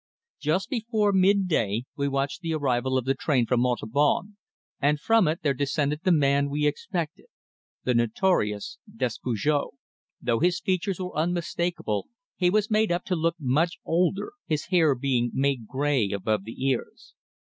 Just before midday we watched the arrival of the train from Montauban, and from it there descended the man we expected the notorious Despujol. Though his features were unmistakable he was made up to look much older, his hair being made grey above the ears.